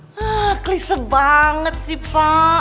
hmm klise banget sih pak